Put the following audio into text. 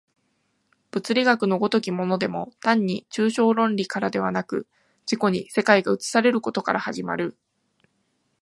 物理学の如きものでも単に抽象論理からではなく、自己に世界が映されることから始まる。